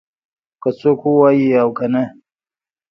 که څوک ووایي او کنه